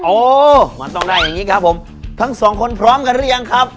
โอ้มันต้องได้อย่างงี้ครับผมทั้งสองคนพร้อมกันหรือยังครับ